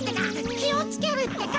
きをつけるってか。